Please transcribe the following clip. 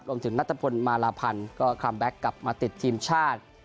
รวมถึงนัตรผลมาราพันธุ์ก็คลัมแบ็กกลับมาติดทีมชาติ